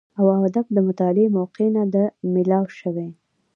او ادب د مطالعې موقع نۀ ده ميلاو شوې